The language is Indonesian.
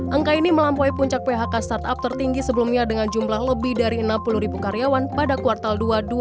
angka ini melampaui puncak phk startup tertinggi sebelumnya dengan jumlah lebih dari enam puluh ribu karyawan pada kuartal dua dua ribu dua puluh